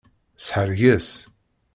Sḥerges.